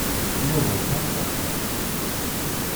Yuḍen Ḥasan?